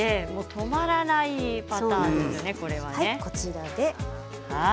止まらないパターンですよね。